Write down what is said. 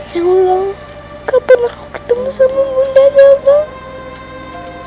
ya allah kapan aku ketemu sama bundanya mbak